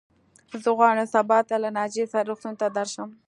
زه غواړم سبا ته له ناجيې سره روغتون ته درشم.